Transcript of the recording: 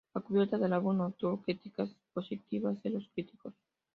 La cubierta del álbum obtuvo críticas positivas de los críticos.